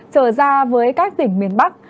trở ra với các tỉnh miền bắc